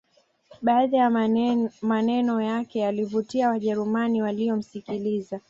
Baadhi ya maneno yake yalivutia wajerumani waliyomsikiliza